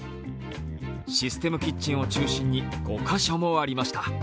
システムキッチンを中心に５カ所もありました。